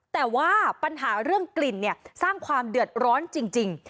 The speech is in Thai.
แต่ว่าปัญหาเรื่องกลิ่นสร้างความเดือดร้อนจริง